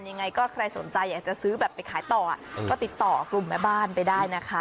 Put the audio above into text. ยังไงก็ใครสนใจอยากจะซื้อแบบไปขายต่อก็ติดต่อกลุ่มแม่บ้านไปได้นะคะ